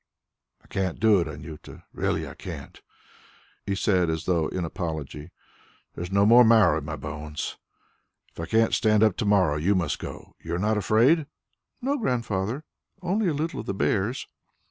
"I can't do it, Anjuta, really I can't," he said as though in apology. "There is no more marrow in my bones. If I can't stand up to morrow, you must go. You are not afraid?" "No, Grandfather ... only a little of the bears."